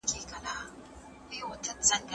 کله چي حکومت وننګول سو واک يې له لاسه ورکړ.